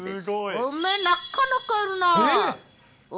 おめえ、なかなかやるなあ。